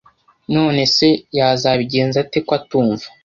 None se yazabigenza ate ko atumva